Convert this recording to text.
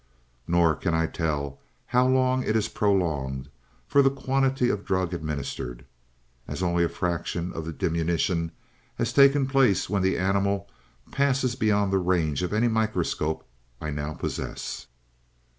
Nor can I tell how long it is prolonged, for the quantity of drug administered, as only a fraction of the diminution has taken place when the animal passes beyond the range of any microscope I now possess.